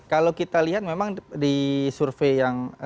kalau kita lihat memang di survei yang